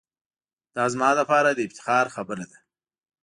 دا زما لپاره دافتخار خبره ده.